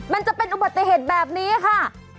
มันจะเป็นอุบัติเหตุแบบนี้ค่ะ